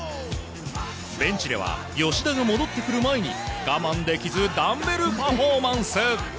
ベンチでは吉田が戻ってくる前に我慢できずダンベルパフォーマンス。